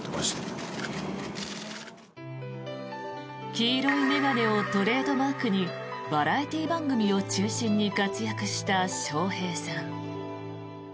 黄色い眼鏡をトレードマークにバラエティー番組を中心に活躍した笑瓶さん。